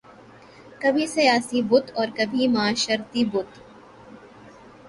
کبھی سیاسی بت اور کبھی معاشرتی بت